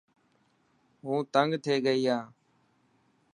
هون تنگ ٿيي گئي هان.